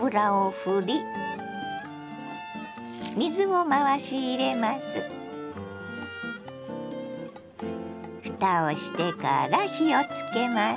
ふたをしてから火をつけます。